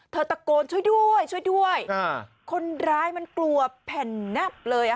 ตะโกนช่วยด้วยช่วยด้วยคนร้ายมันกลัวแผ่นแนบเลย